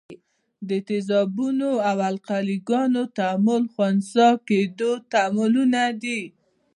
د تیزابونو او القلي ګانو تعامل خنثي کیدو تعاملونه دي.